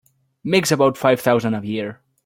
Makes about five thousand a year.